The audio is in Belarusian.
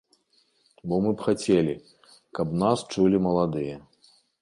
Бо мы б хацелі, каб нас чулі маладыя.